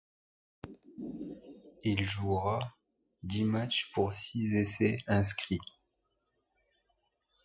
Il jouera dix matches pour six essais inscrits.